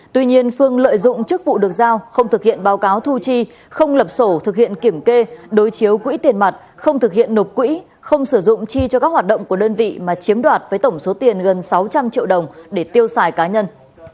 tuy nhiên phương lợi dụng chức vụ được giao không thực hiện báo cáo thu chi không lập sổ thực hiện kiểm kê đối chiếu quỹ tiền mặt không thực hiện nộp quỹ không sử dụng chi cho các hoạt động của đơn vị mà chiếm đoạt với tổng số tiền gần sáu trăm linh triệu đồng để tiêu xài cá nhân